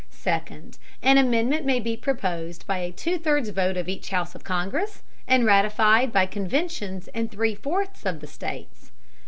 Second, an amendment may be proposed by a two thirds vote of each House of Congress and ratified by conventions in three fourths of the States.